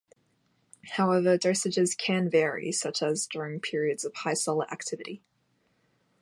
However, dosages can vary, such as during periods of high solar activity.